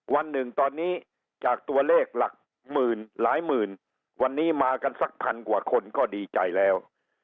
วันหนึ่งตอนนี้จากตัวเลขหลักหมื่นหลายหมื่นวันนี้มากันสักพันกว่าคนก็ดีใจแล้ว